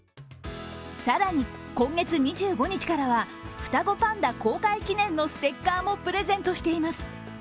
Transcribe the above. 更に今月２５日からは双子パンダ公開記念のステッカーもプレゼントしています。